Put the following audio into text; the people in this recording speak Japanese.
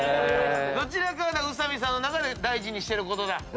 どちらかが宇佐美さんの中で大事にしてることだ。